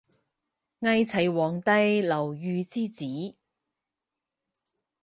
伪齐皇帝刘豫之子。